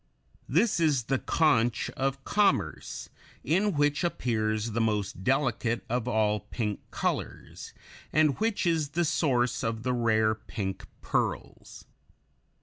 This is the conch of commerce, in which appears the most delicate of all pink colors, and which is the source of the rare pink pearls.